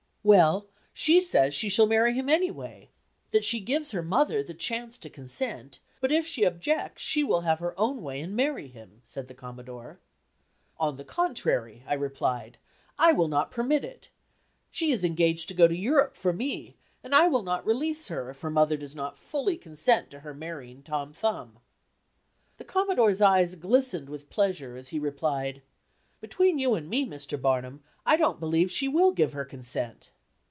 "Well, she says she shall marry him any way; that she gives her mother the chance to consent, but if she objects, she will have her own way and marry him," said the Commodore. "On the contrary," I replied, "I will not permit it. She is engaged to go to Europe for me, and I will not release her, if her mother does not fully consent to her marrying Tom Thumb." The Commodore's eyes glistened with pleasure, as he replied: "Between you and me, Mr. Barnum, I don't believe she will give her consent."